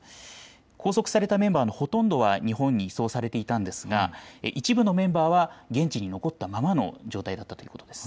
拘束されたメンバーのほとんどは日本に移送されていたんですが一部のメンバーは現地に残ったままの状態だったんです。